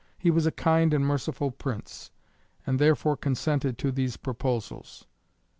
He was a kind and merciful prince, and therefore consented to these proposals.